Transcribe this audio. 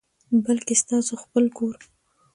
بلکي ستاسو خپل کور،